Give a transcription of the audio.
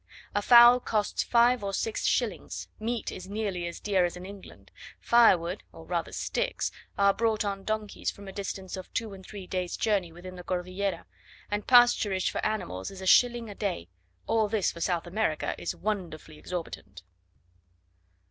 A fowl costs five or six shillings; meat is nearly as dear as in England; firewood, or rather sticks, are brought on donkeys from a distance of two and three days' journey within the Cordillera; and pasturage for animals is a shilling a day: all this for South America is wonderfully exorbitant.